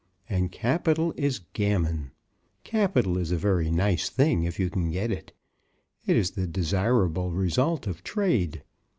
And capital is gammon. Capital is a very nice thing if you can get it. It is the desirable result of trade.